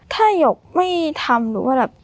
ถ้าหยกไม่ทำหนูว่าแบบ